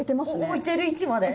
置いてる位置まで？